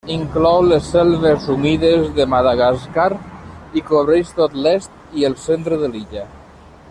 Inclou les selves humides de Madagascar i cobreix tot l'est i el centre de l'illa.